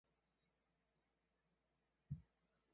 事后因公担任金崎城主并就任敦贺郡司。